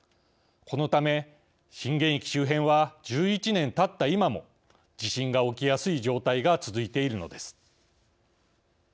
このため、震源域周辺は１１年たった今も地震が起きやすい状態が続いているのです。